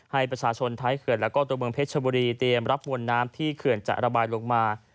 ให้ประชาชนท้ายเขื่อนแล้วก็ตัวเมืองเพชรชบุรีเตรียมรับมวลน้ำที่เขื่อนจะระบายลงมา